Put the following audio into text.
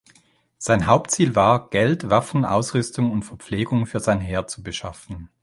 Sein Hauptziel war, Geld, Waffen, Ausrüstung und Verpflegung für sein Heer zu beschaffen.